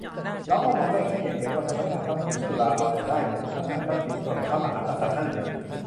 เราก็มองได้แค่อย่างเดียว ว่าสนง.ทรัพย์สินจุฬาเอาแต่ได้ เหมือนสนง.ทรัพย์สินส่วนพระมหากษัตริย์นั่นแหละ